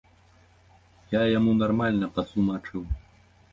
Я яму нармальна патлумачыў.